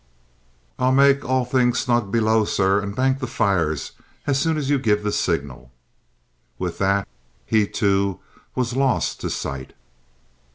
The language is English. "I'll make things all snug below, sir, and bank the fires as soon as you give the signal." With that, he, too, was lost to sight.